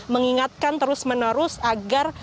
mengingatkan terus menerus agar